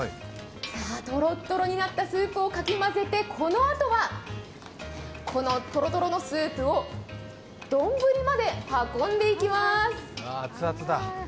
とろっとろになったスープをかき混ぜて、このあとはこのとろとろのスープを丼まで運んでいきます。